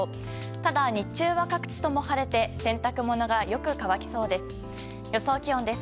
ただ、日中は各地とも晴れて洗濯物がよく乾きそうです。